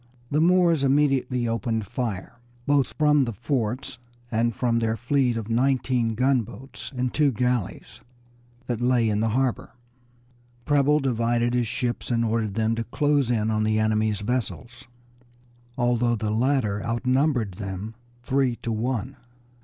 The Moors immediately opened fire, both from the forts and from their fleet of nineteen gunboats and two galleys that lay in the harbor. Preble divided his ships, and ordered them to close in on the enemy's vessels, although the latter outnumbered them three to one.